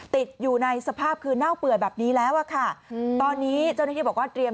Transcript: ติดอยู่ในสภาพคือเน่าเปื่อยแบบนี้แล้วอะค่ะตอนนี้เจ้าหน้าที่บอกว่าเตรียม